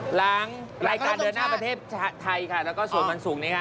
หลังรายการเดินหน้าประเทศไทยค่ะแล้วก็ส่วนวันศุกร์นี้ค่ะ